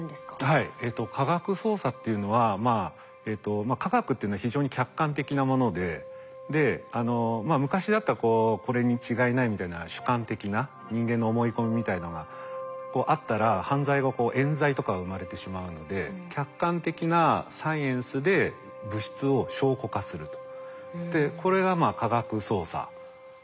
はい科学捜査っていうのはまあ科学っていうのは非常に客観的なもので昔だったらこうこれに違いないみたいな主観的な人間の思い込みみたいのがあったら犯罪がえん罪とかが生まれてしまうのでこれが科学捜査です。